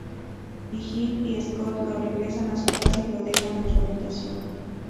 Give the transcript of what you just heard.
Vigil y Scott lo regresan a su casa y lo dejan en su habitación.